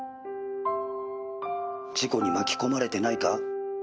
「事故に巻き込まれてないか？」